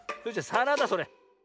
さらだそれ。